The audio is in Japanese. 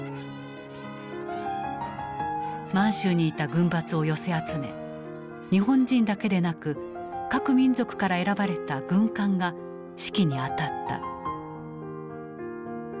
満州にいた軍閥を寄せ集め日本人だけでなく各民族から選ばれた「軍官」が指揮に当たった。